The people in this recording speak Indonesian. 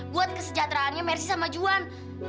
buat kesejahteraannya mercy sama juhan